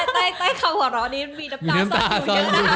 แต่ใต้คำห่อร้อนี้มีน้ำตาซ่อนอยู่อย่างนั้น